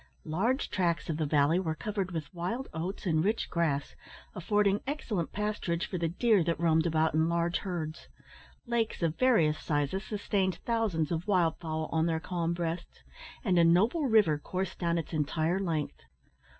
Large tracts of the valley were covered with wild oats and rich grass, affording excellent pasturage for the deer that roamed about in large herds. Lakes of various sizes sustained thousands of wild fowl on their calm breasts, and a noble river coursed down its entire length.